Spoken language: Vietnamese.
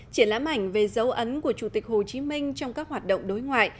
triển lãm ảnh về dấu ấn của chủ tịch hồ chí minh trong các hoạt động đối ngoại